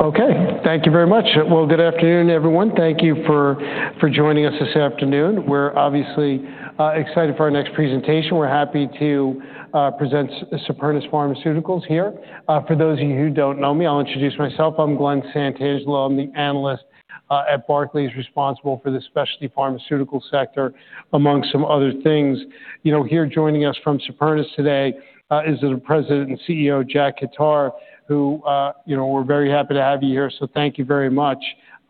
Okay, thank you very much. Well, good afternoon, everyone. Thank you for joining us this afternoon. We're obviously excited for our next presentation. We're happy to present Supernus Pharmaceuticals here. For those of you who don't know me, I'll introduce myself. I'm Glen Santangelo. I'm the analyst at Barclays responsible for the specialty pharmaceutical sector, amongst some other things. You know, here joining us from Supernus today is the President and CEO, Jack A. Khattar, who you know, we're very happy to have you here, so thank you very much.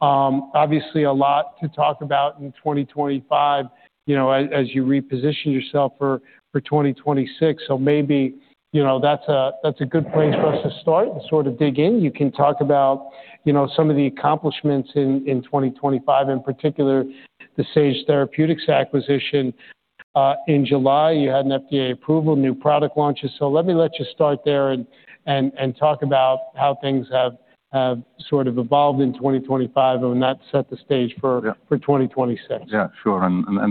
Obviously a lot to talk about in 2025, you know, as you reposition yourself for 2026. Maybe, you know, that's a good place for us to start and sort of dig in. You can talk about, you know, some of the accomplishments in 2025, in particular the Sage Therapeutics acquisition. In July, you had an FDA approval, new product launches. Let me let you start there and talk about how things have sort of evolved in 2025 and that set the stage for- Yeah. For 2026. Yeah, sure.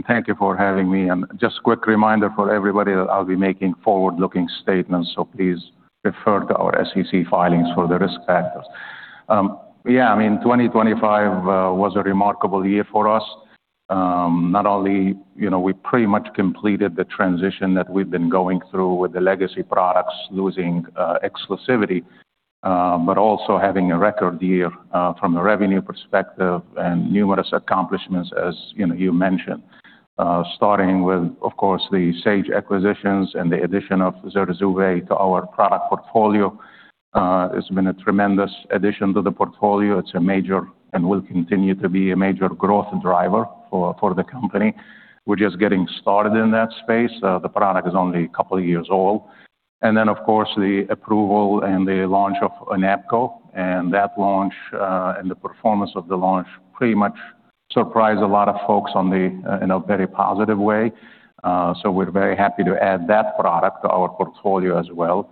Thank you for having me. Just a quick reminder for everybody, I'll be making forward-looking statements, so please refer to our SEC filings for the risk factors. Yeah, I mean, 2025 was a remarkable year for us. Not only, you know, we pretty much completed the transition that we've been going through with the legacy products losing exclusivity, but also having a record year from a revenue perspective and numerous accomplishments, as you know, you mentioned. Starting with, of course, the Sage acquisitions and the addition of Zurzuvae to our product portfolio has been a tremendous addition to the portfolio. It's a major and will continue to be a major growth driver for the company. We're just getting started in that space. The product is only a couple of years old. Of course, the approval and the launch of ONAPGO. That launch, and the performance of the launch pretty much surprised a lot of folks in a very positive way. We're very happy to add that product to our portfolio as well.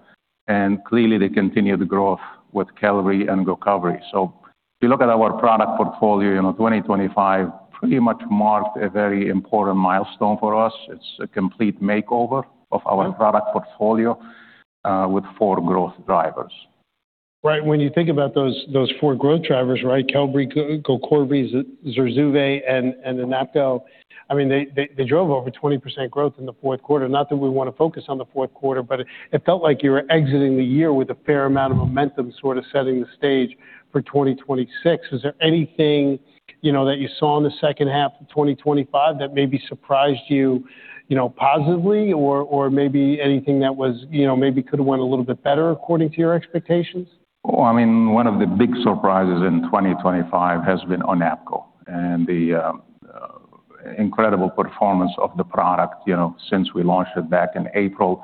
Clearly the continued growth with Qelbree and Gocovri. If you look at our product portfolio, you know, 2025 pretty much marked a very important milestone for us. It's a complete makeover of our product portfolio with four growth drivers. Right. When you think about those four growth drivers, right? Qelbree, Gocovri, Zurzuvae, and ONAPGO, I mean, they drove over 20% growth in the fourth quarter. Not that we wanna focus on the fourth quarter, but it felt like you were exiting the year with a fair amount of momentum, sort of setting the stage for 2026. Is there anything, you know, that you saw in the second half of 2025 that maybe surprised you know, positively or maybe anything that was, you know, maybe could have went a little bit better according to your expectations? Oh, I mean, one of the big surprises in 2025 has been ONAPGO and the incredible performance of the product, you know, since we launched it back in April,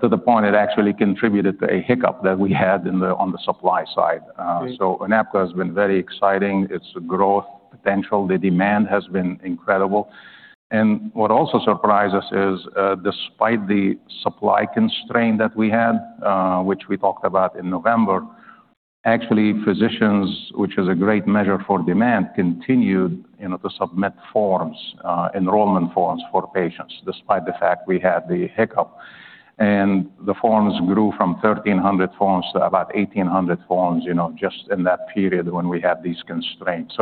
to the point it actually contributed to a hiccup that we had on the supply side. Right. ONAPGO has been very exciting, its growth potential. The demand has been incredible. What also surprised us is, despite the supply constraint that we had, which we talked about in November, actually physicians, which is a great measure for demand, continued, you know, to submit forms, enrollment forms for patients despite the fact we had the hiccup. The forms grew from 1,300 forms to about 1,800 forms, you know, just in that period when we had these constraints.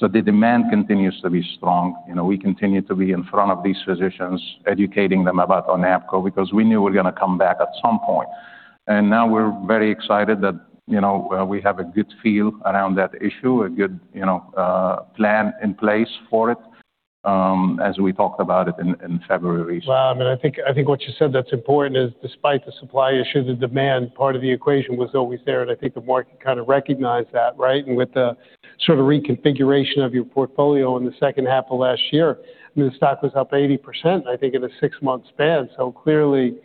The demand continues to be strong. You know, we continue to be in front of these physicians, educating them about ONAPGO because we knew we're gonna come back at some point. Now we're very excited that, you know, we have a good feel around that issue, a good, you know, plan in place for it, as we talked about it in February. Wow. I mean, I think what you said that's important is despite the supply issue, the demand part of the equation was always there, and I think the market kind of recognized that, right? With the sort of reconfiguration of your portfolio in the second half of last year, I mean, the stock was up 80%, I think, in a six-month span. Clearly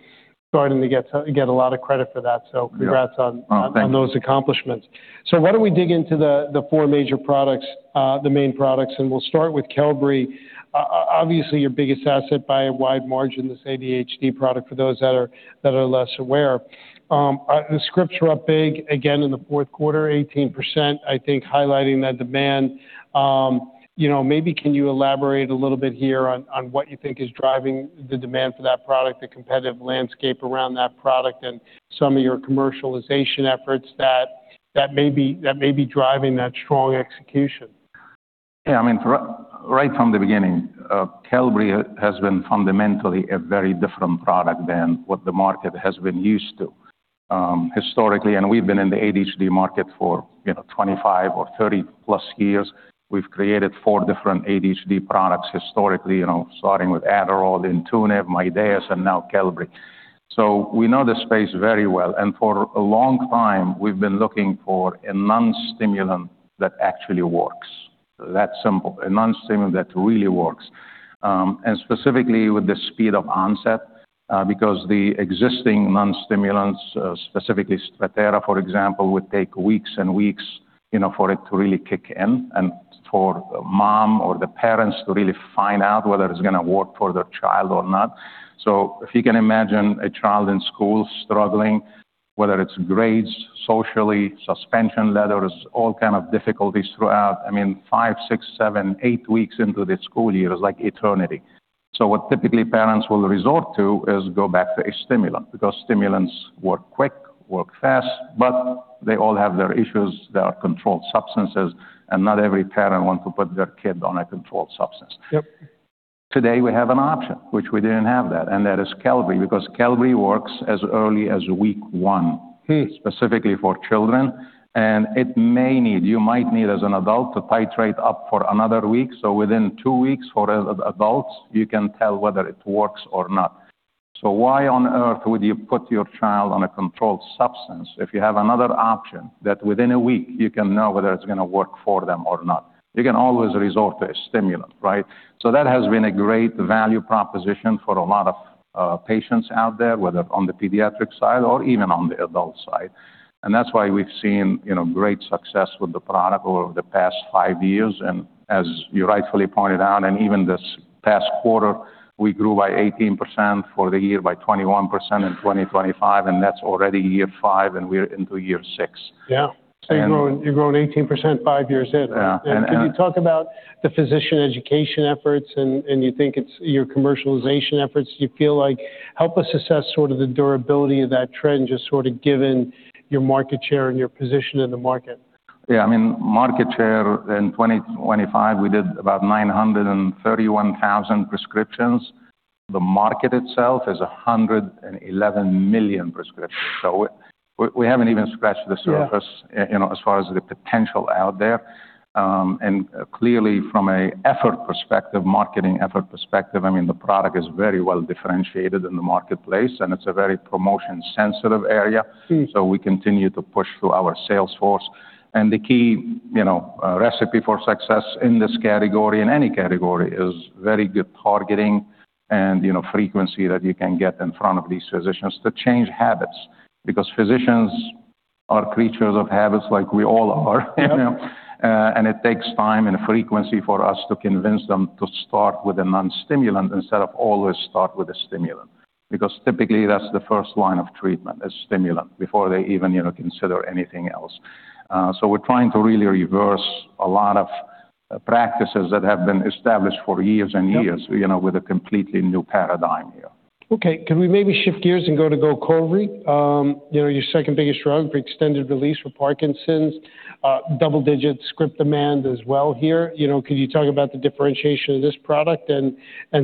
starting to get a lot of credit for that. Yeah. Congrats on. Oh, thank you. On those accomplishments. Why don't we dig into the four major products, the main products, and we'll start with Qelbree. Obviously, your biggest asset by a wide margin, this ADHD product for those that are less aware. The scripts were up big again in the fourth quarter, 18%, I think, highlighting that demand. You know, maybe can you elaborate a little bit here on what you think is driving the demand for that product, the competitive landscape around that product, and some of your commercialization efforts that may be driving that strong execution? Yeah. I mean, right from the beginning, Qelbree has been fundamentally a very different product than what the market has been used to, historically. We've been in the ADHD market for, you know, 25 or 30+ years. We've created four different ADHD products historically, you know, starting with Adderall, Intuniv, Mydayis, and now Qelbree. We know the space very well, and for a long time we've been looking for a non-stimulant that actually works. That simple. A non-stimulant that really works. Specifically with the speed of onset, because the existing non-stimulants, specifically Strattera, for example, would take weeks and weeks, you know, for it to really kick in and for mom or the parents to really find out whether it's gonna work for their child or not. If you can imagine a child in school struggling, whether it's grades, socially, suspension letters, all kind of difficulties throughout, I mean, five, six, seven, eight weeks into the school year is like eternity. What typically parents will resort to is go back to a stimulant because stimulants work quick, work fast, but they all have their issues. They are controlled substances, and not every parent wants to put their kid on a controlled substance. Yep. Today we have an option, which we didn't have that, and that is Qelbree because Qelbree works as early as week 1. Hmm. Specifically for children. You might need, as an adult, to titrate up for another week. Within two weeks for adults, you can tell whether it works or not. Why on earth would you put your child on a controlled substance if you have another option that within a week you can know whether it's gonna work for them or not? You can always resort to a stimulant, right? That has been a great value proposition for a lot of patients out there, whether on the pediatric side or even on the adult side. That's why we've seen, you know, great success with the product over the past five years. As you rightfully pointed out, and even this past quarter, we grew by 18% for the year, by 21% in 2025, and that's already year five, and we're into year six. Yeah. And- You're growing 18% five years in. Yeah. Can you talk about the physician education efforts and you think it's your commercialization efforts, you feel like help us assess sort of the durability of that trend, just sort of given your market share and your position in the market? Yeah. I mean, market share in 2025, we did about 931,000 prescriptions. The market itself is 111 million prescriptions. We haven't even scratched the surface. Yeah. You know, as far as the potential out there. Clearly from an effort perspective, marketing effort perspective, I mean, the product is very well differentiated in the marketplace, and it's a very promotion-sensitive area. Mm-hmm. We continue to push through our sales force. The key, you know, recipe for success in this category, in any category, is very good targeting and, you know, frequency that you can get in front of these physicians to change habits. Because physicians are creatures of habits like we all are. Yep. You know? It takes time and frequency for us to convince them to start with a non-stimulant instead of always start with a stimulant. Because typically that's the first line of treatment, a stimulant, before they even, you know, consider anything else. We're trying to really reverse a lot of practices that have been established for years and years. Yep. You know, with a completely new paradigm here. Okay. Can we maybe shift gears and go to Gocovri? You know, your second-biggest drug for extended release for Parkinson's, double-digit script demand as well here. You know, could you talk about the differentiation of this product and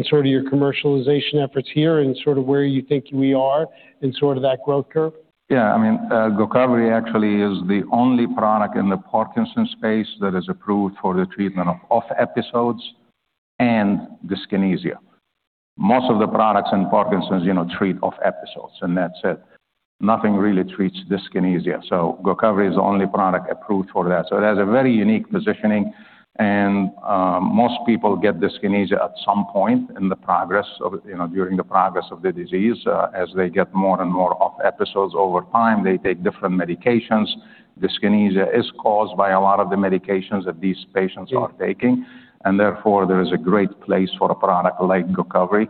sort of your commercialization efforts here and sort of where you think we are in sort of that growth curve? Yeah. I mean, Gocovri actually is the only product in the Parkinson's space that is approved for the treatment of OFF episodes and dyskinesia. Most of the products in Parkinson's, you know, treat OFF episodes, and that's it. Nothing really treats dyskinesia. Gocovri is the only product approved for that. It has a very unique positioning. Most people get dyskinesia at some point in the progress of, you know, during the progress of the disease. As they get more and more OFF episodes over time, they take different medications. Dyskinesia is caused by a lot of the medications that these patients are taking, and therefore, there is a great place for a product like Gocovri.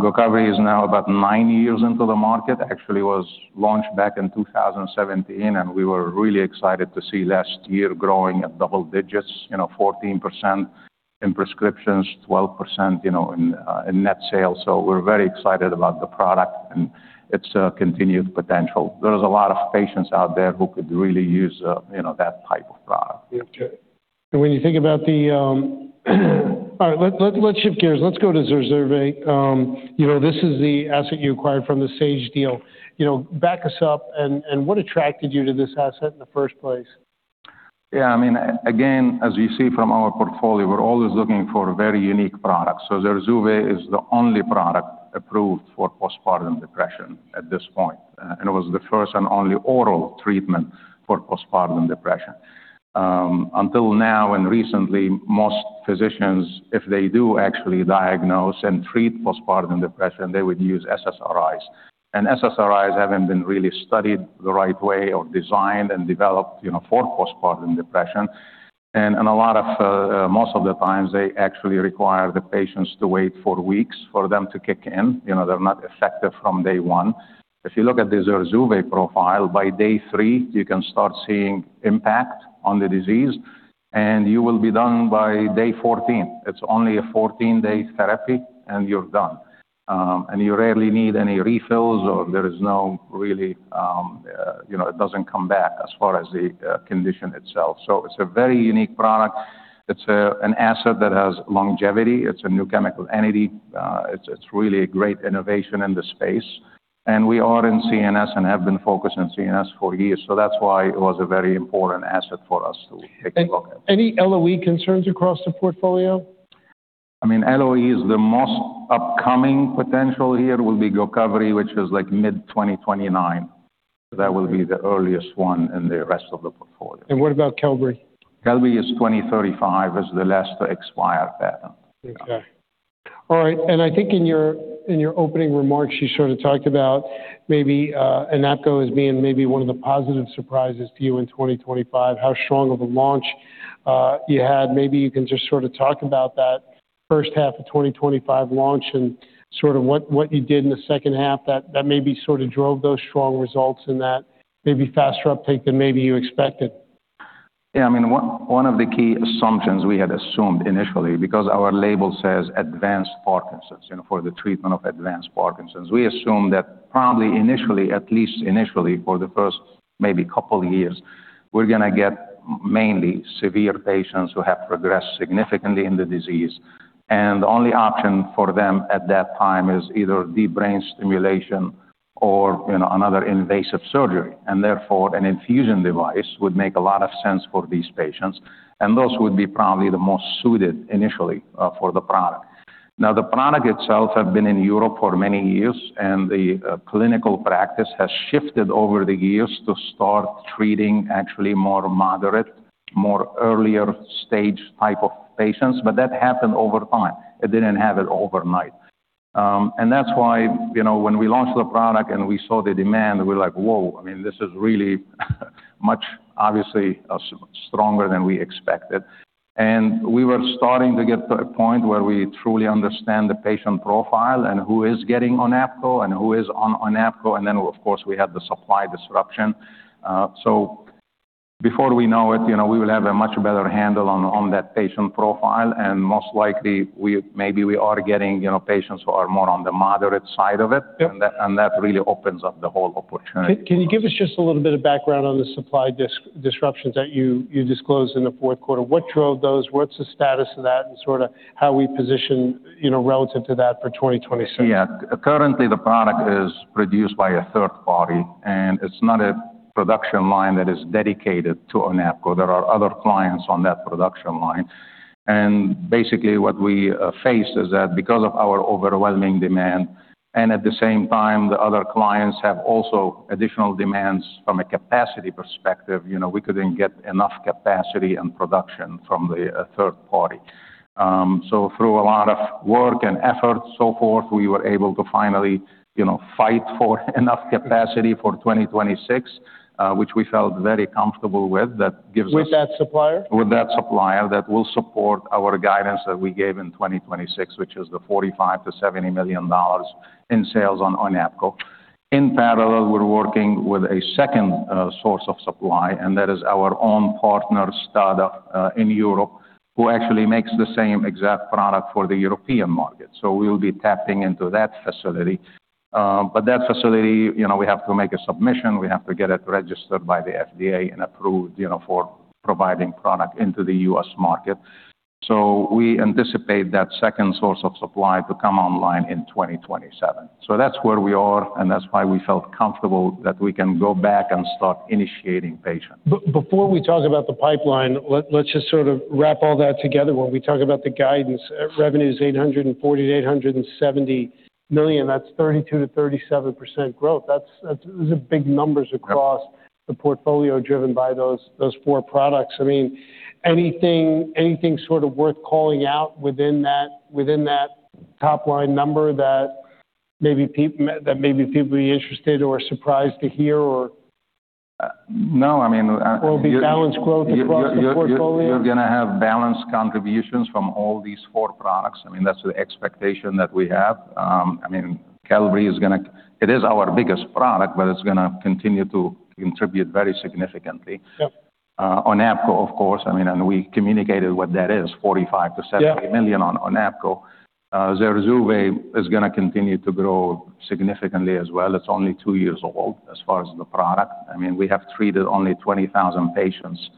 Gocovri is now about nine years into the market. Actually, it was launched back in 2017, and we were really excited to see last year growing at double digits, you know, 14% in prescriptions, 12%, you know, in net sales. We're very excited about the product and its continued potential. There is a lot of patients out there who could really use, you know, that type of product. Yeah. Okay. All right. Let's shift gears. Let's go to Zurzuvae. You know, this is the asset you acquired from the Sage deal. You know, back us up and what attracted you to this asset in the first place? Yeah. I mean, again, as you see from our portfolio, we're always looking for very unique products. Zurzuvae is the only product approved for postpartum depression at this point. It was the first and only oral treatment for postpartum depression. Until now and recently, most physicians, if they do actually diagnose and treat postpartum depression, they would use SSRIs. SSRIs haven't been really studied the right way or designed and developed, you know, for postpartum depression. Most of the times, they actually require the patients to wait for weeks for them to kick in. You know, they're not effective from day one. If you look at the Zurzuvae profile, by day three, you can start seeing impact on the disease, and you will be done by day 14. It's only a 14-day therapy, and you're done. You rarely need any refills. You know, it doesn't come back as far as the condition itself. It's a very unique product. It's an asset that has longevity. It's a new chemical entity. It's really a great innovation in the space. We are in CNS and have been focused on CNS for years. That's why it was a very important asset for us to take a look at. Any LOE concerns across the portfolio? I mean, LOE is the most upcoming potential here will be Gocovri, which is like mid-2029. That will be the earliest one in the rest of the portfolio. What about Qelbree? Qelbree is 2035 is the last to expire there. Okay. All right. I think in your opening remarks, you sort of talked about maybe ONAPGO as being maybe one of the positive surprises to you in 2025, how strong of a launch you had. Maybe you can just sort of talk about that first half of 2025 launch and sort of what you did in the second half that maybe sort of drove those strong results and that maybe faster uptake than maybe you expected. Yeah, I mean, one of the key assumptions we had assumed initially because our label says advanced Parkinson's, you know, for the treatment of advanced Parkinson's. We assume that probably initially, at least initially for the first maybe couple of years, we're gonna get mainly severe patients who have progressed significantly in the disease. The only option for them at that time is either deep brain stimulation or, you know, another invasive surgery. Therefore, an infusion device would make a lot of sense for these patients, and those would be probably the most suited initially for the product. Now, the product itself had been in Europe for many years, and the clinical practice has shifted over the years to start treating actually more moderate, more earlier stage type of patients, but that happened over time. It didn't happen overnight. That's why, you know, when we launched the product and we saw the demand, we're like, "Whoa." I mean, this is really much obviously stronger than we expected. We were starting to get to a point where we truly understand the patient profile and who is getting ONAPGO and who is on ONAPGO, and then, of course, we had the supply disruption. Before we know it, you know, we will have a much better handle on that patient profile. Most likely we maybe are getting, you know, patients who are more on the moderate side of it. Yep. That really opens up the whole opportunity. Can you give us just a little bit of background on the supply disruptions that you disclosed in the fourth quarter? What drove those? What's the status of that? Sort of how we position, you know, relative to that for 2027. Yeah. Currently, the product is produced by a third party, and it's not a production line that is dedicated to ONAPGO. There are other clients on that production line. Basically, what we face is that because of our overwhelming demand, and at the same time the other clients have also additional demands from a capacity perspective, you know, we couldn't get enough capacity and production from the third party. Through a lot of work and effort, so forth, we were able to finally, you know, fight for enough capacity for 2026, which we felt very comfortable with. That gives us- With that supplier? With that supplier. That will support our guidance that we gave in 2026, which is the $45 million-$70 million in sales on ONAPGO. In parallel, we're working with a second source of supply, and that is our own partner startup in Europe, who actually makes the same exact product for the European market. We'll be tapping into that facility. But that facility, you know, we have to make a submission. We have to get it registered by the FDA and approved, you know, for providing product into the U.S. market. We anticipate that second source of supply to come online in 2027. That's where we are, and that's why we felt comfortable that we can go back and start initiating patients. Before we talk about the pipeline, let's just sort of wrap all that together when we talk about the guidance. Revenue is $840 million-$870 million. That's 32%-37% growth. That's. Those are big numbers across- Yep. The portfolio driven by those four products. I mean, anything sort of worth calling out within that top line number that maybe people would be interested or surprised to hear or? No. I mean, Will it be balanced growth across the portfolio? You're gonna have balanced contributions from all these four products. I mean, that's the expectation that we have. I mean, Qelbree is gonna, it is our biggest product, but it's gonna continue to contribute very significantly. Yep. ONAPGO, of course, I mean, and we communicated what that is, $45 million-$70 million- Yep. on ONAPGO. Zurzuvae is gonna continue to grow significantly as well. It's only two years old as far as the product. I mean, we have treated only 20,000 patients.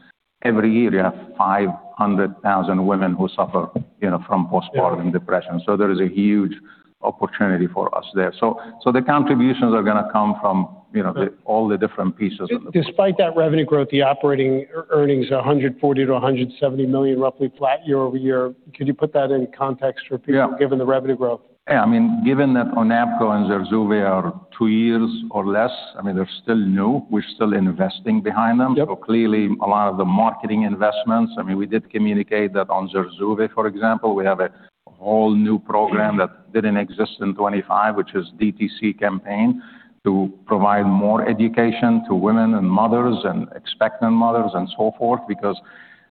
Every year, you have 500,000 women who suffer, you know, from postpartum depression. Yeah. There is a huge opportunity for us there. The contributions are gonna come from, you know. The- all the different pieces of the puzzle. Despite that revenue growth, the operating earnings, $140 million-$170 million, roughly flat year-over-year. Could you put that in context for people- Yeah. given the revenue growth? Yeah. I mean, given that ONAPGO and Zurzuvae are 2 years or less, I mean, they're still new. We're still investing behind them. Yep. Clearly, a lot of the marketing investments, I mean, we did communicate that on Zurzuvae, for example. We have a whole new program that didn't exist in 25, which is DTC campaign, to provide more education to women and mothers and expectant mothers and so forth. Because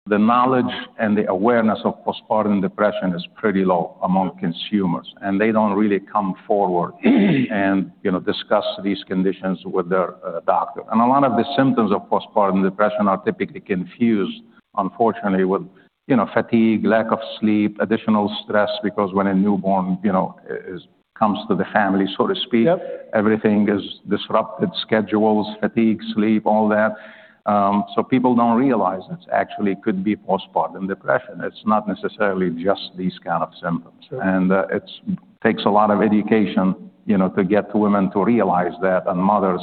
the knowledge and the awareness of postpartum depression is pretty low among consumers, and they don't really come forward and, you know, discuss these conditions with their doctor. A lot of the symptoms of postpartum depression are typically confused, unfortunately, with, you know, fatigue, lack of sleep, additional stress because when a newborn, you know, comes to the family, so to speak. Yep. Everything is disrupted. Schedules, fatigue, sleep, all that. People don't realize it actually could be postpartum depression. It's not necessarily just these kind of symptoms. Sure. It takes a lot of education, you know, to get women to realize that and mothers.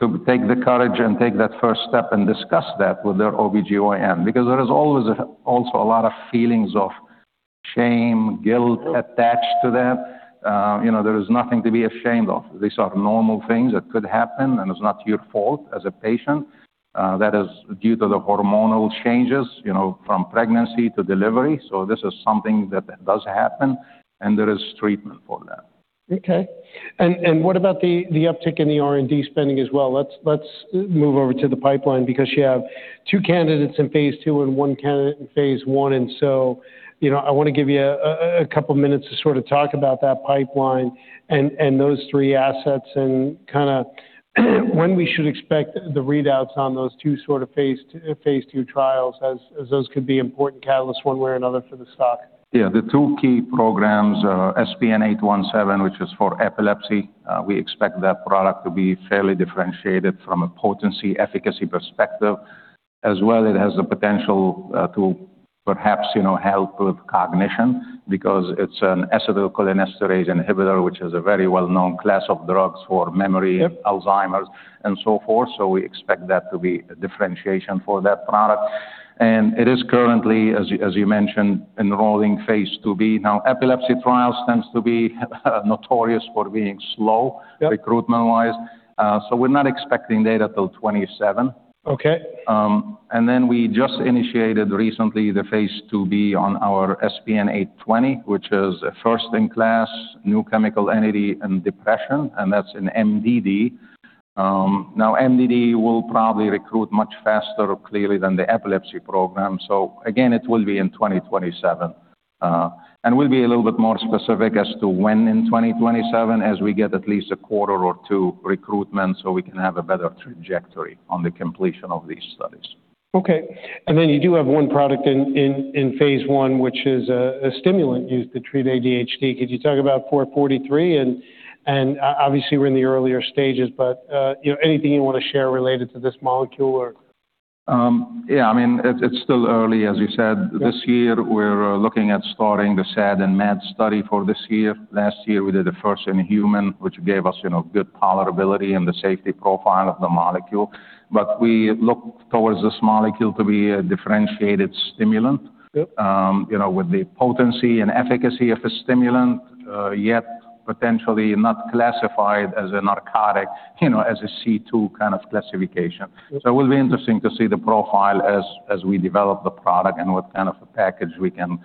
To take the courage and take that first step and discuss that with their OBGYN because there is always also a lot of feelings of shame, guilt attached to that. You know, there is nothing to be ashamed of. These are normal things that could happen, and it's not your fault as a patient. That is due to the hormonal changes, you know, from pregnancy to delivery. This is something that does happen, and there is treatment for that. Okay. What about the uptick in the R&D spending as well? Let's move over to the pipeline because you have 2 candidates in phase 2 and 1 candidate in phase 1. You know, I wanna give you a couple minutes to sort of talk about that pipeline and those three assets and kinda when we should expect the readouts on those 2 sort of phase 2 trials as those could be important catalysts one way or another for the stock. Yeah. The two key programs are SPN-817, which is for epilepsy. We expect that product to be fairly differentiated from a potency efficacy perspective. As well, it has the potential to perhaps, you know, help with cognition because it's an acetylcholinesterase inhibitor, which is a very well-known class of drugs for memory. Yep. Alzheimer's, and so forth, so we expect that to be a differentiation for that product. It is currently, as you mentioned, enrolling phase two B. Now epilepsy trials tends to be notorious for being slow. Yep. Recruitment-wise, we're not expecting data till 2027. Okay. We just initiated recently the phase IIb on our SPN-820, which is a first-in-class New Chemical Entity in depression, and that's an MDD. Now MDD will probably recruit much faster clearly than the epilepsy program. Again, it will be in 2027. We'll be a little bit more specific as to when in 2027 as we get at least a quarter or two recruitment, so we can have a better trajectory on the completion of these studies. Okay. Then you do have one product in phase 1, which is a stimulant used to treat ADHD. Could you talk about SPN-443? Obviously we're in the earlier stages, but you know, anything you wanna share related to this molecule or. Yeah. I mean, it's still early, as you said. Yep. This year we're looking at starting the SAD and MAD study for this year. Last year we did the first in human, which gave us, you know, good tolerability and the safety profile of the molecule. We look towards this molecule to be a differentiated stimulant. Yep. you know, with the potency and efficacy of a stimulant, yet potentially not classified as a narcotic, you know, as a C2 kind of classification. Yep. It will be interesting to see the profile as we develop the product and what kind of a package we can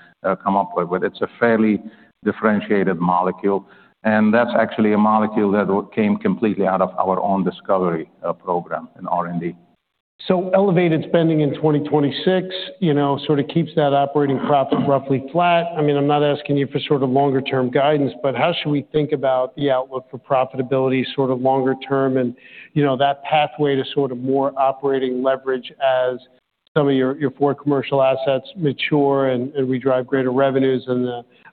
come up with. It's a fairly differentiated molecule, and that's actually a molecule that came completely out of our own discovery program in R&D. Elevated spending in 2026, you know, sort of keeps that operating profit roughly flat. I mean, I'm not asking you for sort of longer term guidance, but how should we think about the outlook for profitability sort of longer term and, you know, that pathway to sort of more operating leverage as some of your four commercial assets mature and we drive greater revenues and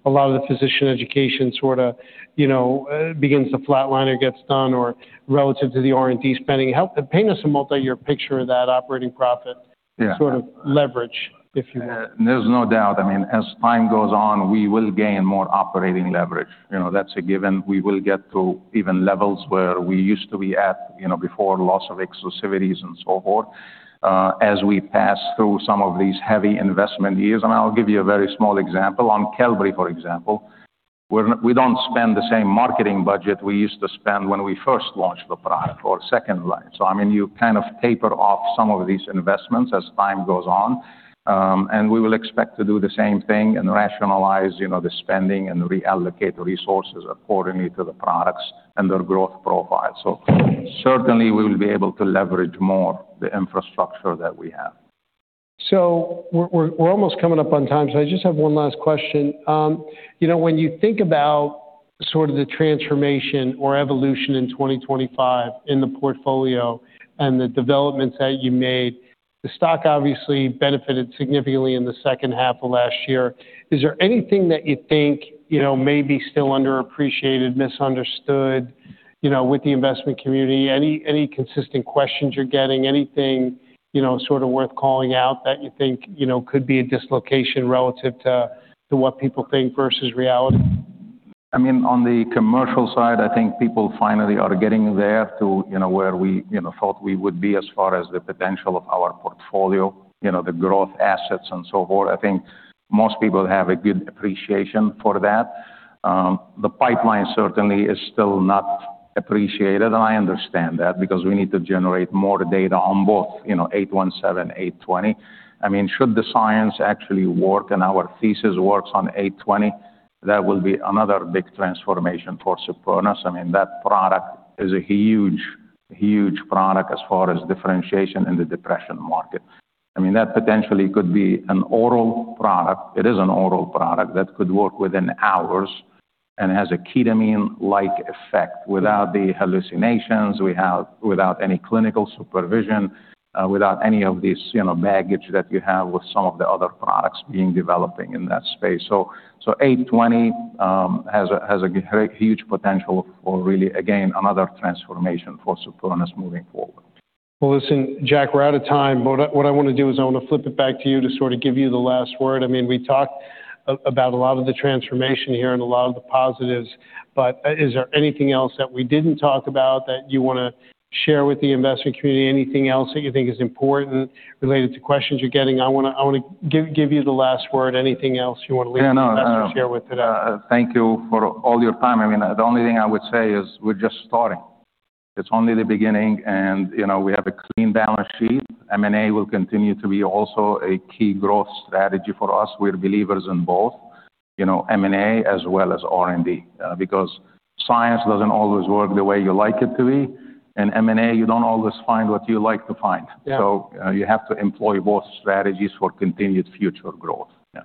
a lot of the physician education sorta begins to flat line or gets done or relative to the R&D spending. Paint us a multi-year picture of that operating profit. Yeah. sort of leverage, if you will. There's no doubt. I mean, as time goes on, we will gain more operating leverage. You know, that's a given. We will get to even levels where we used to be at, you know, before loss of exclusivities and so forth, as we pass through some of these heavy investment years. I'll give you a very small example. On Qelbree, for example, we don't spend the same marketing budget we used to spend when we first launched the product or second line. I mean, you kind of taper off some of these investments as time goes on. We will expect to do the same thing and rationalize, you know, the spending and reallocate resources accordingly to the products and their growth profile. Certainly we will be able to leverage more the infrastructure that we have. We're almost coming up on time, so I just have one last question. You know, when you think about sort of the transformation or evolution in 2025 in the portfolio and the developments that you made, the stock obviously benefited significantly in the second half of last year. Is there anything that you think, you know, may be still underappreciated, misunderstood, you know, with the investment community? Any consistent questions you're getting? Anything, you know, sort of worth calling out that you think, you know, could be a dislocation relative to what people think versus reality? I mean, on the commercial side, I think people finally are getting there to, you know, where we, you know, thought we would be as far as the potential of our portfolio, you know, the growth assets and so forth. I think most people have a good appreciation for that. The pipeline certainly is still not appreciated, and I understand that because we need to generate more data on both, you know, SPN-817, SPN-820. I mean, should the science actually work and our thesis works on SPN-820, that will be another big transformation for Supernus. I mean, that product is a huge, huge product as far as differentiation in the depression market. I mean, that potentially could be an oral product. It is an oral product that could work within hours and has a ketamine-like effect without the hallucinations. We have without any clinical supervision, without any of these, you know, baggage that you have with some of the other products being developed in that space. SPN-820 has a huge potential for really again, another transformation for Supernus moving forward. Well, listen, Jack, we're out of time, but what I wanna do is I wanna flip it back to you to sort of give you the last word. I mean, we talked about a lot of the transformation here and a lot of the positives, but is there anything else that we didn't talk about that you wanna share with the investment community? Anything else that you think is important related to questions you're getting? I wanna give you the last word. Anything else you wanna leave. Yeah, no. With the investors here today? Thank you for all your time. I mean, the only thing I would say is we're just starting. It's only the beginning and, you know, we have a clean balance sheet. M&A will continue to be also a key growth strategy for us. We're believers in both, you know, M&A as well as R&D, because science doesn't always work the way you like it to be, and M&A, you don't always find what you like to find. Yeah. You have to employ both strategies for continued future growth. Yeah.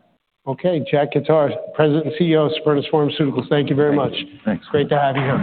Okay. Jack Khattar, President and CEO of Supernus Pharmaceuticals, thank you very much. Thank you. Thanks. Great to have you here.